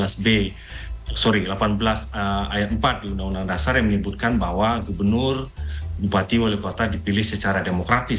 sorry delapan belas ayat empat di undang undang dasar yang menyebutkan bahwa gubernur bupati wali kota dipilih secara demokratis